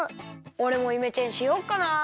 おれもイメチェンしよっかな。